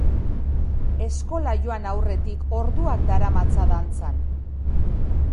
Eskola joan aurretik orduak daramatza dantzan.